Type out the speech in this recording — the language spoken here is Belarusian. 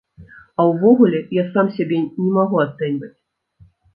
А ўвогуле, я сам сябе не магу ацэньваць.